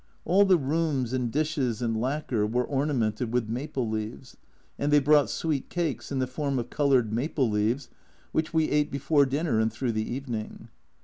All the rooms and dishes and lacquer were ornamented with maple leaves, and they brought sweet cakes in the form of coloured maple leaves, which we ate before dinner and through the evening.